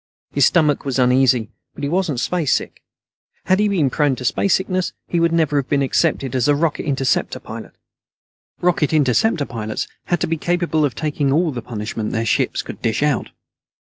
His stomach was uneasy, but he wasn't spacesick. Had he been prone to spacesickness, he would never have been accepted as a Rocket Interceptor pilot. Rocket Interceptor pilots had to be capable of taking all the punishment their ships could dish out.